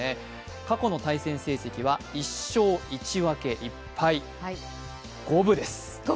過去の対戦成績は１勝１分け１敗、五分です。